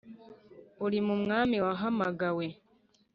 Uri mu mwami wahamagawe